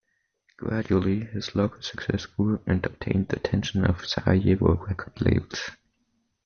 Gradually his local success grew and obtained the attention of Sarajevo record labels.